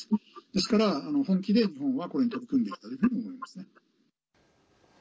ですから本気で日本は、これに取り組んでいくというふうに思いますね。